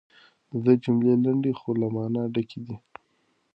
د ده جملې لنډې خو له مانا ډکې دي.